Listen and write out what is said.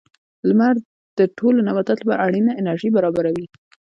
• لمر د ټولو نباتاتو لپاره اړینه انرژي برابروي.